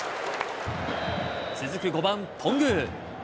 続く５番頓宮。